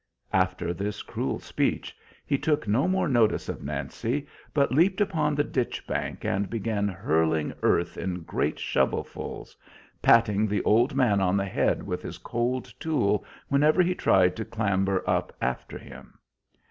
After this cruel speech he took no more notice of Nancy, but leaped upon the ditch bank and began hurling earth in great shovelfuls, patting the old man on the head with his cold tool whenever he tried to clamber up after him.